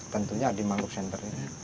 tentunya adi mangrove center ini